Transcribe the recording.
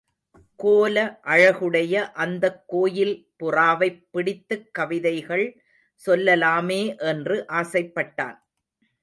கோல அழகுடைய அந்தக் கோயில் புறாவைப் பிடித்துக் கவிதைகள் சொல்லலாமே என்று ஆசைப்பட்டான்.